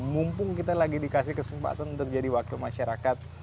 mumpung kita lagi dikasih kesempatan untuk jadi wakil masyarakat